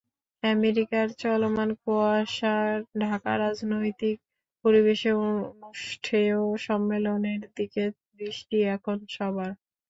আমেরিকার চলমান কুয়াশা ঢাকা রাজনৈতিক পরিবেশে অনুষ্ঠেয় সম্মেলনের দিকে দৃষ্টি এখন সবার।